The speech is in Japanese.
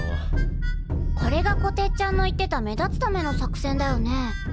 これがこてっちゃんの言ってた目立つための作戦だよね。